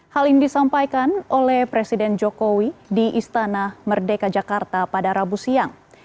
hal ini disampaikan oleh presiden jokowi di istana merdeka jakarta pada rabu siang